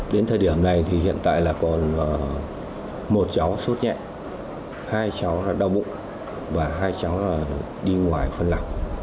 đến thời điểm này thì hiện tại là còn một cháu sốt nhẹ hai cháu đã đau bụng và hai cháu là đi ngoài phân lọc